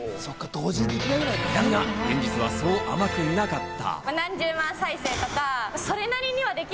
だが現実はそう甘くなかった。